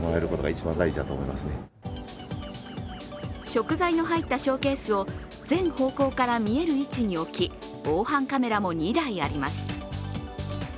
食材の入ったショーケースを全方向から見える位置に置き、防犯カメラも２台あります。